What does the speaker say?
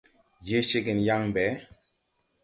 Je ceegen yaŋ ɓe ?